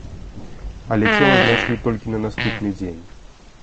Але цела знайшлі толькі на наступны дзень.